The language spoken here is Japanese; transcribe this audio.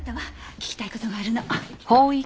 聞きたい事があるの。